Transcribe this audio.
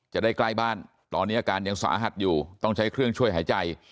ใกล้บ้านตอนนี้อาการยังสาหัสอยู่ต้องใช้เครื่องช่วยหายใจ